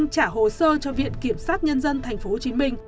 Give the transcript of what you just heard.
trả hồ sơ cho viện kiểm sát nhân dân tp hcm